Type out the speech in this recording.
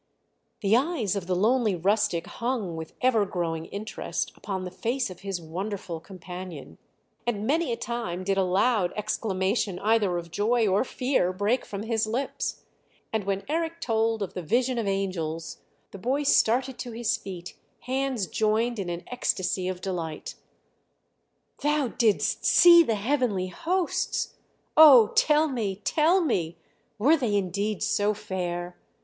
The eyes of the lonely rustic hung, with ever growing interest, upon the face of his wonderful companion, and many a time did a loud exclamation either of joy or fear break from his lips; and when Eric told of the vision of angels, the boy started to his feet, hands joined in an ecstasy of delight. "Thou didst see the heavenly hosts! Oh, tell me! Tell me! Were they indeed so fair?